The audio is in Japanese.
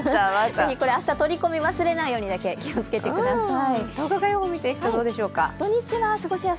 明日、取り込み忘れないようにだけお気をつけください。